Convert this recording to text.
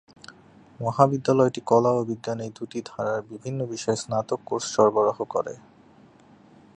মহাবিদ্যালয়টি কলা ও বিজ্ঞান এই দু'টি ধারার বিভিন্ন বিষয়ে স্নাতক কোর্স সরবরাহ করে।।